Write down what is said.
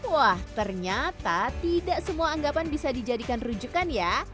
wah ternyata tidak semua anggapan bisa dijadikan rujukan ya